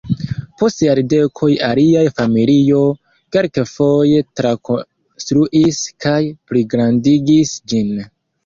Post jardekoj alia familio kelkfoje trakonstruis kaj pligrandigis ĝin.